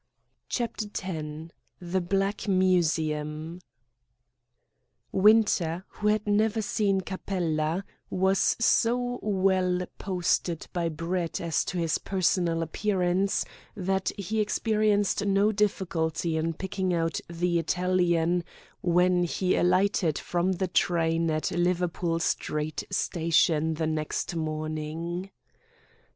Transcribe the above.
CHAPTER X THE BLACK MUSEUM Winter, who had never seen Capella, was so well posted by Brett as to his personal appearance that he experienced no difficulty in picking out the Italian when he alighted from the train at Liverpool Street Station next morning.